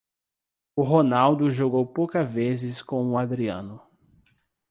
O Ronaldo jogou poucas vezes com o Adriano.